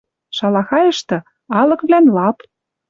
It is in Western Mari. Шалахайышты — алыквлӓн лап.